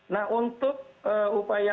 nah untuk upaya